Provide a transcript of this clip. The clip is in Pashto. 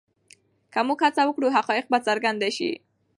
که موږ هڅه وکړو حقایق به څرګند شي.